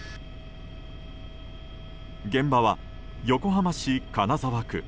現場は横浜市金沢区。